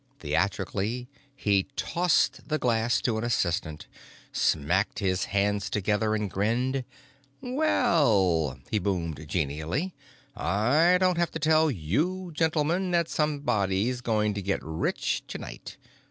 Theatrically he tossed the glass to an assistant, smacked his hands together and grinned. "Well," he boomed genially, "I don't have to tell you gentlemen that somebody's going to get rich tonight.